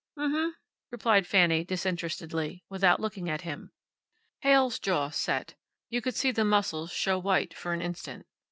"M m," replied Fanny, disinterestedly, without looking at him. Heyl's jaw set. You could see the muscles show white for an instant.